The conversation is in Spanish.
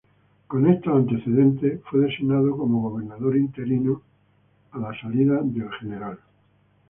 Con estos antecedentes fue designado como Gobernador interino a la salida del Gral.